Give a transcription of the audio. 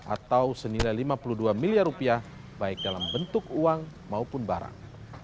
atau senilai lima puluh dua miliar rupiah baik dalam bentuk uang maupun barang